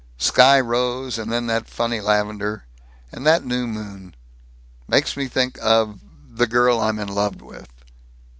Sky rose and then that funny lavender. And that new moon Makes me think of the girl I'm in love with."